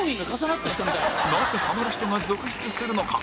なぜハマる人が続出するのか？